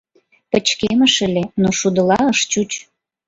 — Пычкемыш ыле, но шудыла ыш чуч.